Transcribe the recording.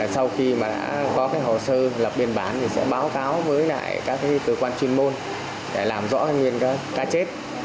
sau khi đã có hồ sơ lập biên bản sẽ báo cáo với các tư quan chuyên môn để làm rõ nguyên nhân cá chết